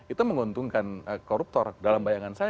itu menguntungkan koruptor dalam bayangan saya